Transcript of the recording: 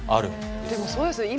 でもそうですよね。